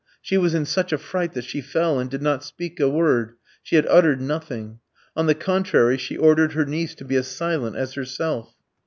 She was in such a fright that she fell and did not speak a word; she had uttered nothing. On the contrary, she ordered her niece to be as silent as herself.